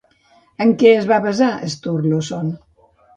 En què es va basar Sturluson?